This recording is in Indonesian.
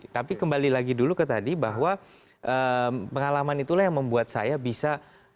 tapi kembali lagi dulu ke tadi bahwa pengalaman itulah yang membuat saya bisa